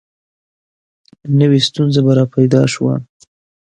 نوي ستونزه به را پیدا شوه.